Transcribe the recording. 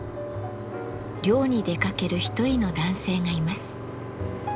漁に出かける一人の男性がいます。